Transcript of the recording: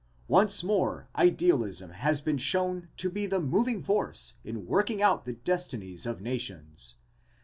Once more idealism has been shown to be the moving force in working out the destinies of nations.